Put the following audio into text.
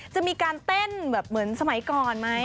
จะมีการเต้นแบบเหมือนสมัยก่อนไหม